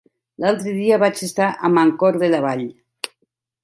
L'altre dia vaig estar a Mancor de la Vall.